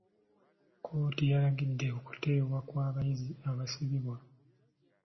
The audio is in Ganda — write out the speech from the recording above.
kkooti eragidde okuteebwa kw'abayizi abaasibibwa.